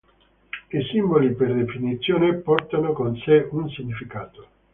I simboli per definizione portano con sé un significato.